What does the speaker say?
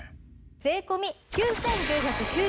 税込９９９０円です。